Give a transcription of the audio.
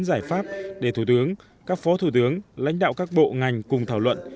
giải pháp để thủ tướng các phó thủ tướng lãnh đạo các bộ ngành cùng thảo luận